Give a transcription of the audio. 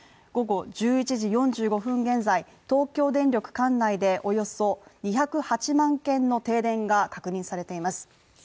午後１１時４５分現在、東京電力管内でおよそ２０８万軒の停電が確認されています。